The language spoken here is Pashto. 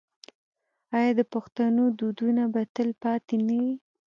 آیا د پښتنو دودونه به تل پاتې نه وي؟